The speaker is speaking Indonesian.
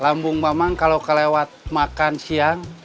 lambung bamang kalau kelewat makan siang